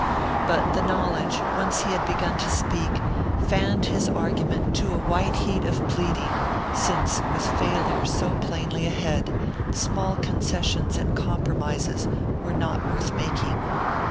But the knowledge, once he had begun to speak, fanned his argument to a white heat of pleading, since, with failure so plainly ahead, small concessions and compromises were not worth making.